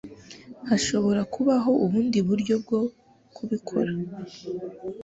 Hashobora kubaho ubundi buryo bwo kubikora.